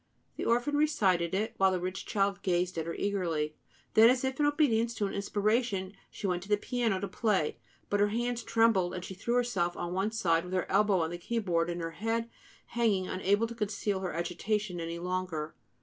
The orphan recited it, while the rich child gazed at her eagerly. Then, as if in obedience to an inspiration, she went to the piano to play; but her hands trembled; she threw herself on one side, with her elbow on the keyboard and her head hanging, unable to conceal her agitation any longer.